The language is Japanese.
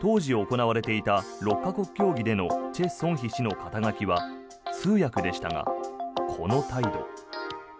当時行われていた６か国協議でのチェ・ソンヒ氏の肩書は通訳でしたが、この態度。